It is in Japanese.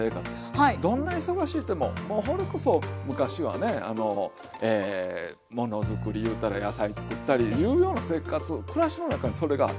どんな忙しいいうてももうそれこそ昔はねものづくりいうたら野菜作ったりいうような生活暮らしの中にそれがあった。